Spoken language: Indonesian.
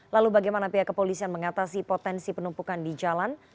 lalu bagaimana pihak kepolisian mengatasi potensi penumpukan di jalan